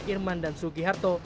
irman dan sugil